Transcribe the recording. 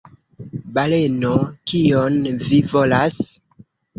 Baleno: "Kion vi volas?"